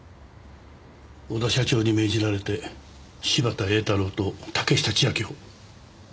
小田社長に命じられて柴田英太郎と竹下千晶を殺害したんだな？